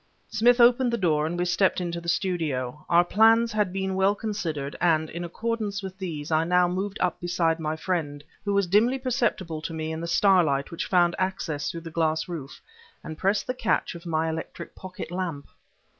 Smith opened the door and we stepped into the studio. Our plans had been well considered, and in accordance with these, I now moved up beside my friend, who was dimly perceptible to me in the starlight which found access through the glass roof, and pressed the catch of my electric pocket lamp...